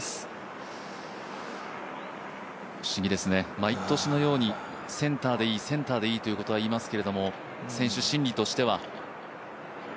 不思議ですね、毎年のようにセンターでいい、センターでいいということは言いますけれども選手心理としては。